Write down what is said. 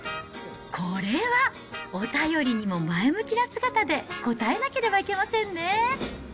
これはお便りにも前向きな姿で応えなければいけませんね。